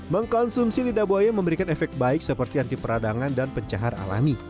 mengkonsumsi lidah buaya memberikan efek baik seperti anti peradangan dan pencahar alami